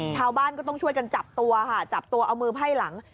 ชาวบ้านก็ต้องช่วยกันจับตัวค่ะจับตัวเอามือไพ่หลัง